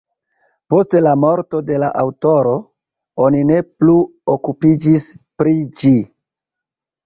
Post la morto de la aŭtoro, oni ne plu okupiĝis pri ĝi.